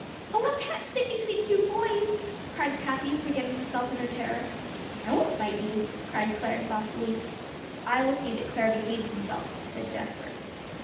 "Oh, I can't sit between two boys," cried Cathie, forgetting herself in her terror. "I won't bite you," cried Clare saucily. "I will see that Clare behaves himself," said Jasper.